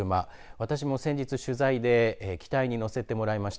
私も先日取材で機体に乗せてもらいました。